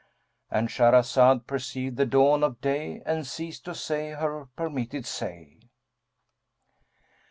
"—And Shahrazad perceived the dawn of day and ceased to say her permitted say.